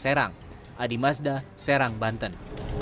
serang adi mazda serang banten